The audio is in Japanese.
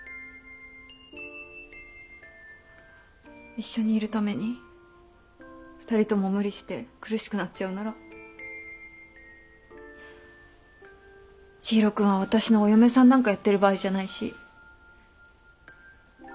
一緒にいるために２人とも無理して苦しくなっちゃうなら知博君は私のお嫁さんなんかやってる場合じゃないし。